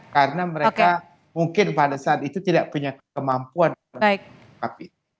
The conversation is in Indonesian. karena mereka mungkin pada saat itu tidak punya kemampuan mengungkap itu